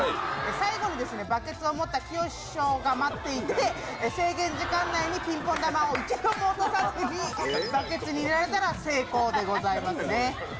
最後にバケツを持ったきよし師匠が待っていて制限時間内にピンポン玉を一度も落とさずにバケツに入れられたら成功でございますね。